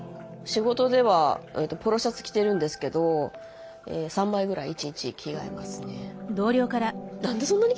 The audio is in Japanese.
仕事ではポロシャツ着てるんですけど３枚ぐらい１日に着替えますね。